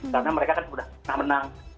karena mereka kan sudah menang